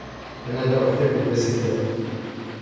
انا لا احب البازلاء